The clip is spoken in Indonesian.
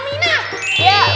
betul sekali iqal